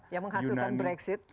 yang menghasilkan brexit